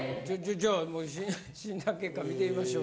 じゃあ診断結果見てみましょう。